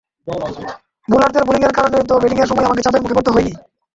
বোলারদের বোলিংয়ের কারণেই তো ব্যাটিংয়ের সময় আমাকে চাপের মুখে পড়তে হয়নি।